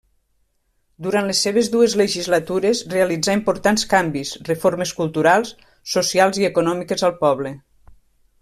Durant les seves dues legislatures realitzar importants canvis, reformes culturals, socials i econòmiques al poble.